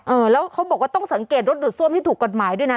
เออแล้วเขาบอกว่าต้องสังเกตรถดูดซ่วมที่ถูกกฎหมายด้วยนะ